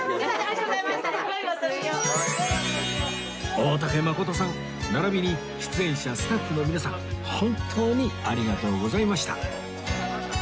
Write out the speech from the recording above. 大竹まことさん並びに出演者スタッフの皆さん本当にありがとうございました